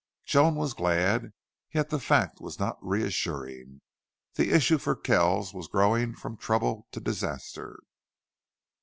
Joan was glad, yet the fact was not reassuring. The issue for Kells was growing from trouble to disaster.